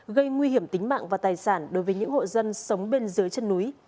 gây nguy hiểm tính mạng và tài sản đối với những hộ dân sống bên dưới chân núi